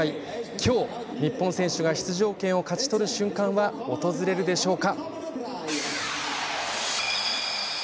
今日、日本選手が出場権を勝ち取る瞬間は訪れるでしょうか。